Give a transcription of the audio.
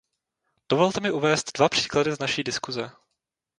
Dovolte mi uvést dva příklady z naší diskuse.